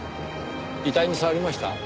遺体に触りました？